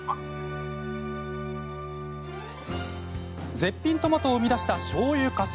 絶品トマトを生み出したしょうゆかす。